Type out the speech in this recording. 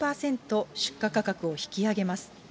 出荷価格を引き上げます。